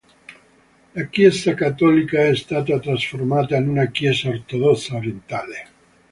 La Chiesa cattolica è stata trasformata in una chiesa ortodossa orientale.